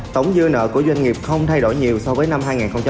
tổng dư nợ của doanh nghiệp không thay đổi nhiều so với năm hai nghìn hai mươi